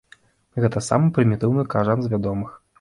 Гэта самы прымітыўны кажан з вядомых.